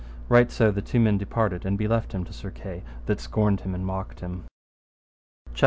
Right so the two men departed and beleft him to Sir Kay, that scorned him and mocked him. CHAPTER II.